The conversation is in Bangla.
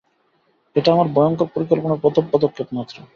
এটা আমার ভয়ঙ্কর পরিকল্পনার প্রথম পদক্ষেপ মাত্র।